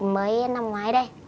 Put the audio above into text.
mới năm ngoái đấy